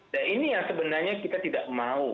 dan ini yang sebenarnya kita tidak mau